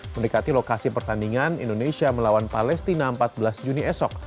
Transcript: mendekati lokasi pertandingan indonesia melawan palestina empat belas juni esok